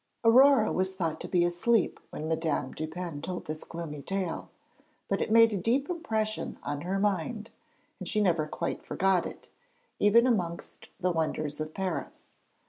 Aurore was thought to be asleep when Madame Dupin told this gloomy tale, but it made a deep impression on her mind, and she never quite forgot it, even amongst the wonders of Paris.